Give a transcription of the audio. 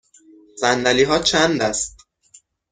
صندلی ها چند است؟